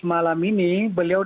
malam ini beliau